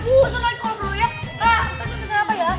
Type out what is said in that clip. udah enggak sengaja